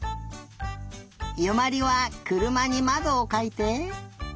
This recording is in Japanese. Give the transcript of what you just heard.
由茉莉はくるまにまどをかいて。